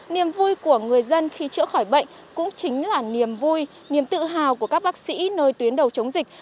niềm vui của người dân khi chữa khỏi bệnh cũng chính là niềm vui niềm tự hào của các bác sĩ nơi tuyến đầu chống dịch